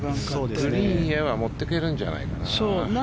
グリーンへは持っていけるんじゃないかな。